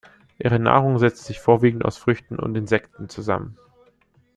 Ihre Nahrung setzt sich vorwiegend aus Früchten und Insekten zusammen.